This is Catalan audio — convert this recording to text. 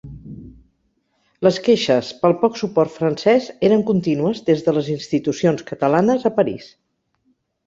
Les queixes pel poc suport francès eren contínues des de les institucions catalanes a París.